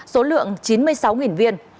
số lượng chín mươi sáu viên